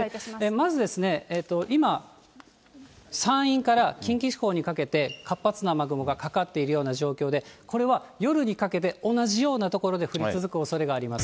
まず、今、山陰から近畿地方にかけて活発な雨雲がかかっているような状況で、これは夜にかけて同じような所で降り続くおそれがあります。